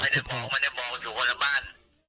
มันได้บอกมันได้บอกถึงคนละบ้าน